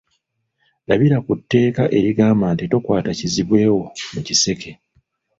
Labira ku ‘tteeka’ erigamba nti tokwata kizibwe wo mu kiseke.